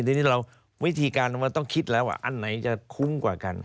ทีนี้เราวิธีการมันต้องคิดแล้วว่าอันไหนจะคุ้มกว่ากัน